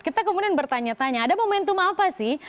kita kemudian bertanya tanya ada momentum apa sih